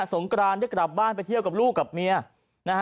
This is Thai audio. งกรานได้กลับบ้านไปเที่ยวกับลูกกับเมียนะฮะ